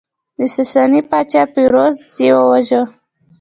د ساساني پاچا پیروز یې وواژه